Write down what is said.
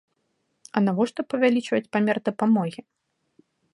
А навошта павялічваць памер дапамогі?